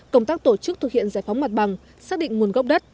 công tác tổ chức thực hiện giải phóng mặt bằng xác định nguồn gốc đất